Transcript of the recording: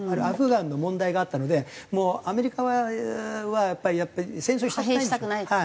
アフガンの問題があったのでもうアメリカはやっぱり戦争したくない。